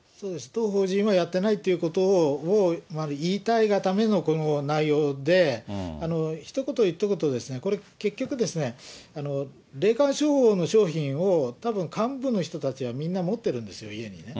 当法人はやってないということを、言いたいがためのこの内容で、ひと言ひと言ですね、これ、結局ですね、霊感商法の商品をたぶん幹部の人たちはみんな持ってるんですよ、家にね。